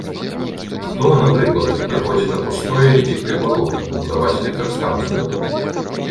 Хто, напрыклад, прыходзіць на пустое і дзікае балота будаваць электрастанцыю?